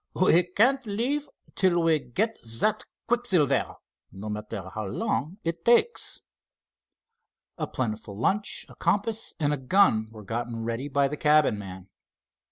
"We can't leave till we get that quicksilver, no matter how long it takes." A plentiful lunch, a compass, and a gun were gotten ready by the cabin man.